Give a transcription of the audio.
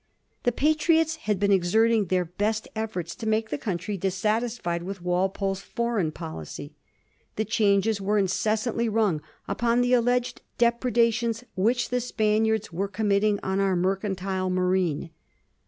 THE PATRIOTS. H The Patriots had been exerting their best efforts to make the country dissatisfied with Walpole's foreign policy. The changes were incessantly rung upon the alleged dep< redations which the Spaniards were committing on our mercantile marine.